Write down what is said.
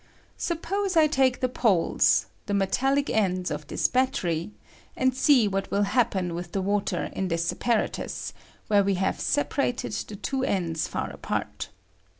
Sup pose I take the poles — the metallie ends of this battery — and see what will happen with the water in this apparatus (Fig. 20), where we have separated the two ends far apart.